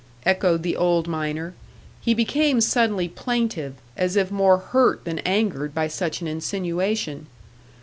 echoed the old miner; he became suddenly plaintive, as if more hurt than angered by such an insinuation.